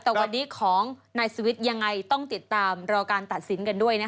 แต่วันนี้ของนายสวิทย์ยังไงต้องติดตามรอการตัดสินกันด้วยนะคะ